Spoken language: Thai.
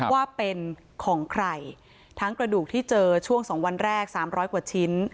ว่าเป็นของใครทั้งกระดูกที่เจอช่วง๒วันแรก๓๐๐กว่าชิ้น